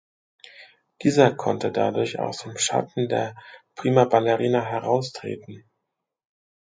Dieser konnte dadurch aus dem „Schatten“ der Primaballerina heraustreten.